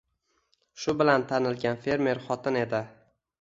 Shu bilan tanilgan fermer xotin edi.